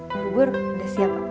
bubur udah siap pak